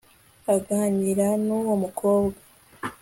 aganira n'uwo mukobwa